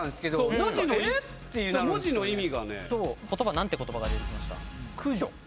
何て言葉が出て来ました？